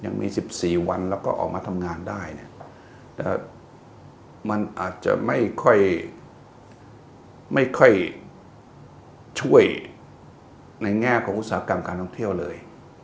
ในแง่ของอุตสาหกรรมการท่องเที่ยวเลย